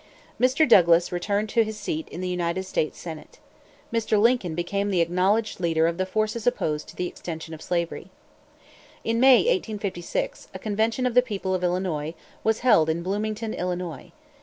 Mr. Douglas returned to his seat in the United States Senate. Mr. Lincoln became the acknowledged edged leader of the forces opposed to the extension of slavery. In May, 1856, a convention of the people of Illinois was held in Bloomington, Illinois.